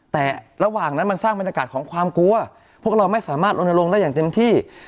แต่ระหว่างนั้นมันสร้างบรรยากาศของความกลัวพวกเราไม่สามารถลนลงได้อย่างเต็มที่